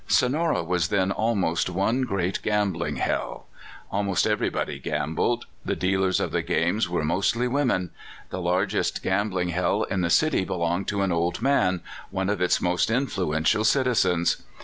"Sonora was then almost one great gambling hell. Almost everybody gambled. The dealers of the games were mostly Avomen. The largest gambling hell in the city belonged to an old man, one of its most influential citizens.